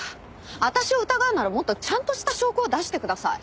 私を疑うならもっとちゃんとした証拠を出してください。